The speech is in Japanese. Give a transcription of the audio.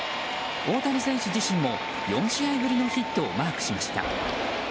大谷選手自身も４試合ぶりのヒットをマークしました。